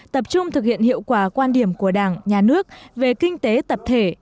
tập trung thực hiện hiệu quả quan điểm của đảng nhà nước về kinh tế tập thể